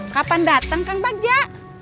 kapan dateng kang bagja